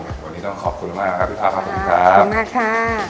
วันนี้ต้องขอบคุณมากครับทุกท่านขอบคุณครับขอบคุณมากค่ะ